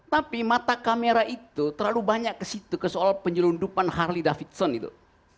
tapi mata kamera itu terlalu banyak ke situ ke soal penyelundupan harley davidson itu